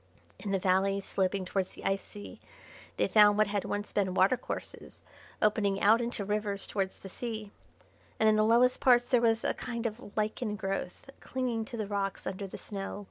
In the valley sloping towards the ice sea they found what had once been watercourses opening out into rivers towards the sea; and in the lowest parts there was a kind of lichen growth clinging to the rocks under the snow.